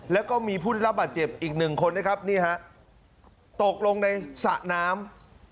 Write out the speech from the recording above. แล้วก็มีผู้ได้รับบาดเจ็บอีกหนึ่งคนนะครับนี่ฮะตกลงในสระน้ำ